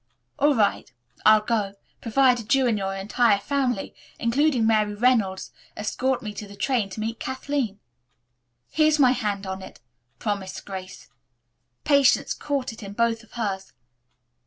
"All right, I'll go, provided you and your entire family, including Mary Reynolds, escort me to the train to meet Kathleen." "Here's my hand on it," promised Grace. Patience caught it in both of hers.